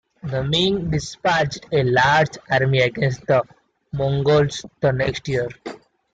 The Ming dispatched a large army against the Mongols the next year.